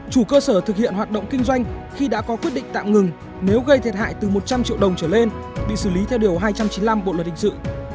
một chủ cơ sở thực hiện hoạt động kinh doanh khi đã có quyết định tạm ngừng nếu gây thiệt hại từ một trăm linh triệu đồng trở lên bị xử lý theo điều hai trăm chín mươi năm bộ luật hình sự